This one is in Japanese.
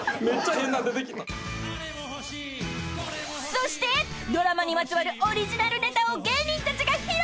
［そしてドラマにまつわるオリジナルネタを芸人たちが披露］